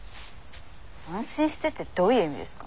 安心してってどういう意味ですか？